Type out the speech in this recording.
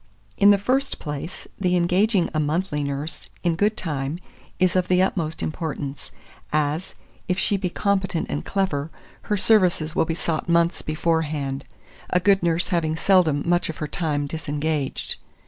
In the first place, the engaging a monthly nurse in good time is of the utmost importance, as, if she be competent and clever, her services will be sought months beforehand; a good nurse having seldom much of her time disengaged.